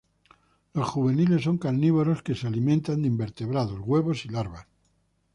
Los juveniles son carnívoros que se alimentan de invertebrados, huevos y larvas.